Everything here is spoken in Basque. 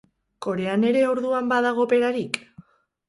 Korean ere orduan badago operarik?